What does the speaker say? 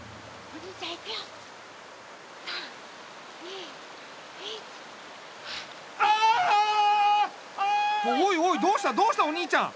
おいおいどうしたどうしたお兄ちゃん。